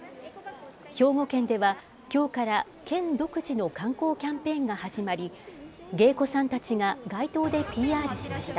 兵庫県では、きょうから県独自の観光キャンペーンが始まり、芸妓さんたちが街頭でＰＲしました。